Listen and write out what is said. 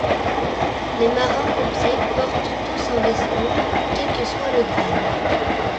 Les marins pompiers portent tous un veston, quel que soit le grade.